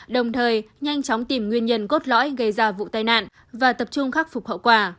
đồng thời nhanh chóng tìm nguyên nhân cốt lõi gây ra vụ tai nạn và tập trung khắc phục hậu quả